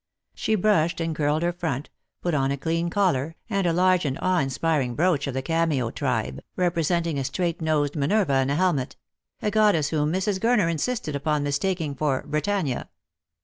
She brushed and curled her front, put on a clean collar, and a large and awe inspiring brooch of the cameo tribe, representing a straight nosed Minerva in a helmet — a goddess whom Mrs. Gurner insisted upon mistaking for Britannia.